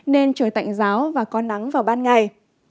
nên trời tạnh giáo và có nắng vào ban ngày